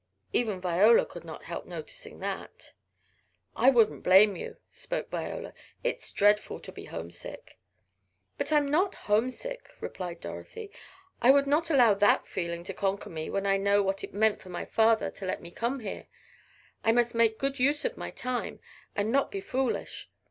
Even Viola could not help noticing that. "I wouldn't blame you," spoke Viola. "It's dreadful to be homesick." "But I am not homesick," replied Dorothy. "I would not allow that feeling to conquer me when I know what it meant for father to let me come here. I must make good use of my time, and not be foolish.